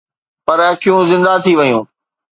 پر اکيون زنده ٿي ويون